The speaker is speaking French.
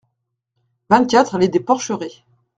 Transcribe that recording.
vingt-quatre allée des Porcherets